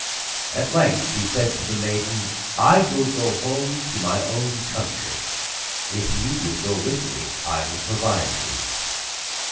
At length he said to the maiden: 'I will go home to my own country; if you will go with me, I will provide for you.